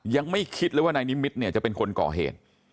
ยังไม่คิดเลยว่านายนิมิตรเนี่ยจะเป็นคนก่อเหตุ